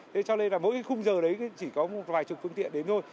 thế cho nên là mỗi cái khung giờ đấy chỉ có một vài chục phương tiện đến thôi